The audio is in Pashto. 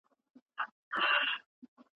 د تیزس لومړۍ بڼه باید وکتل سي.